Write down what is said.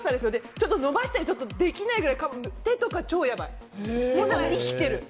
ちょっと伸ばしたりするのはできないくらい、手とかやばい、生きてる。